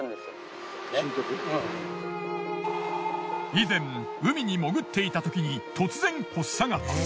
以前海に潜っていたときに突然発作が。